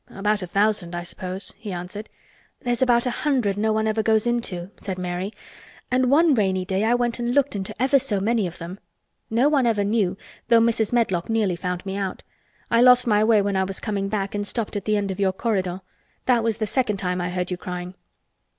"About a thousand, I suppose," he answered. "There's about a hundred no one ever goes into," said Mary. "And one rainy day I went and looked into ever so many of them. No one ever knew, though Mrs. Medlock nearly found me out. I lost my way when I was coming back and I stopped at the end of your corridor. That was the second time I heard you crying."